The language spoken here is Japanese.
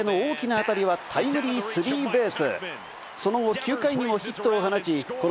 センターへの大きな当たりはタイムリースリーベース。